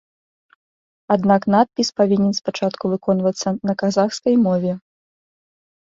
Аднак надпіс павінен спачатку выконвацца на казахскай мове.